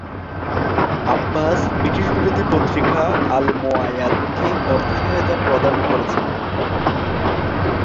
আব্বাস ব্রিটিশবিরোধী পত্রিকা আল-মুওয়াইয়াদকে অর্থ সহায়তা প্রদান করেছিলেন।